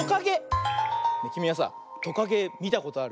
きみはさトカゲみたことある？